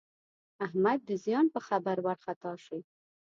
احمد د زیان په خبر وارخطا شو.